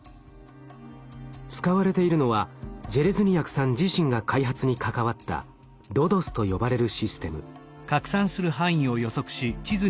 使われているのはジェレズニヤクさん自身が開発に関わった「ＲＯＤＯＳ」と呼ばれるシステム。